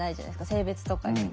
性別とかにも。